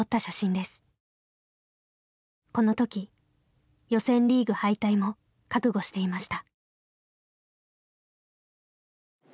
この時予選リーグ敗退も覚悟していました。